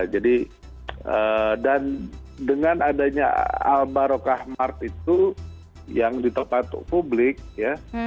jadi dengan adanya albaro kahmar itu yang ditetapkan untuk publik ya